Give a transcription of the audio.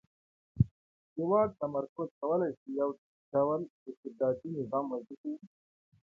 د واک تمرکز کولای شي یو ډ ول استبدادي نظام وزېږوي.